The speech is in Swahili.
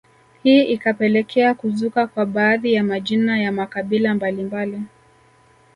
Hii ikapekelekea kuzuka kwa baadhi ya majina ya makabila mbalimbali